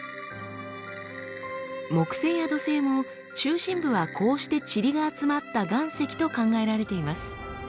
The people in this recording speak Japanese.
木星や土星も中心部はこうしてチリが集まった岩石と考えられています。